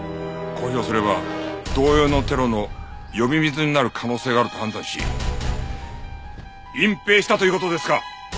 公表すれば同様のテロの呼び水になる可能性があると判断し隠蔽したという事ですか？